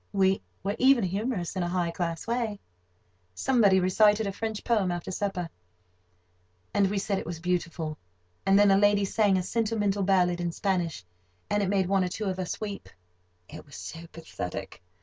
We were even humorous—in a high class way. Somebody recited a French poem after supper, and we said it was beautiful; and then a lady sang a sentimental ballad in Spanish, and it made one or two of us weep—it was so pathetic.